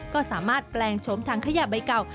ก็สามารถแปลงโฉมถังขยะใบเก่า